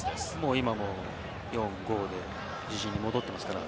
今も４−５で自陣に戻っていますから。